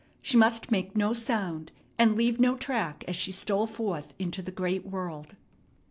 She must make no sound and leave no track as she stole forth into the great world.